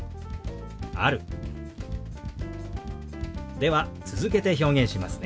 では続けて表現しますね。